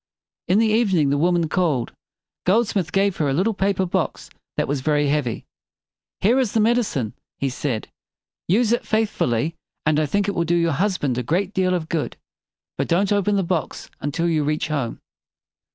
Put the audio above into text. In the evening the woman called. Goldsmith gave her a little paper box that was very heavy. "Here is the med i cine," he said. "Use it faith ful ly, and I think it will do your husband a great deal of good. But don't open the box until you reach home."